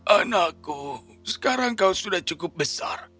anakku sekarang kau sudah cukup besar